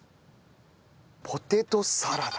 ポテトサラダ。